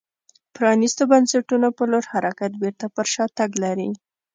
پرانیستو بنسټونو په لور حرکت بېرته پر شا تګ لري